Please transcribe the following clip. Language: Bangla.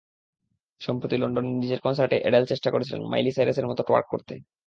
সম্প্রতি লন্ডনে নিজের কনসার্টে অ্যাডেল চেষ্টা করেছিলেন মাইলি সাইরাসের মতো টোয়ার্ক করতে।